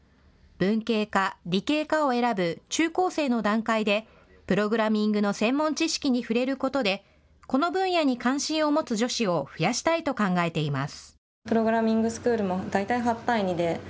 文系か理系かを選ぶ中高生の段階でプログラミングの専門知識に触れることでこの分野に関心を持つ女子を増やしたいと考えています。